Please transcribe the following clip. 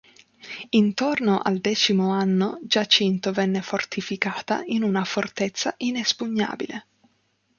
Intorno al decimo anno, Jacinto venne fortificata in una fortezza inespugnabile.